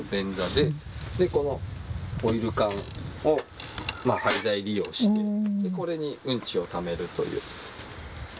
で、このオイル缶を廃材利用して、これにうんちをためるという。